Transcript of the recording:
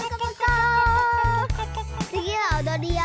つぎはおどるよ。